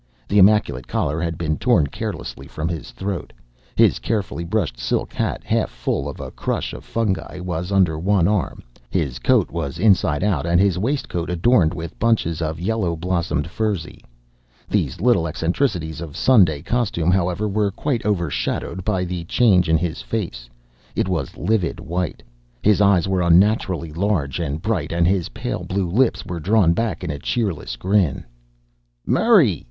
The immaculate collar had been torn carelessly from his throat. His carefully brushed silk hat, half full of a crush of fungi, was under one arm; his coat was inside out, and his waistcoat adorned with bunches of yellow blossomed furze. These little eccentricities of Sunday costume, however, were quite overshadowed by the change in his face; it was livid white, his eyes were unnaturally large and bright, and his pale blue lips were drawn back in a cheerless grin. "Merry!"